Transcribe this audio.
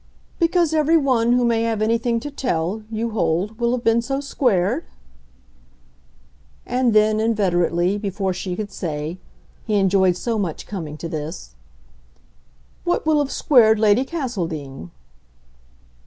"Because every one who may have anything to tell, you hold, will have been so squared?" And then inveterately, before she could say he enjoyed so much coming to this: "What will have squared Lady Castledean?"